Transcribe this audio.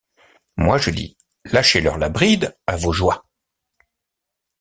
Moi je dis: Lâchez-leur la bride, à vos joies.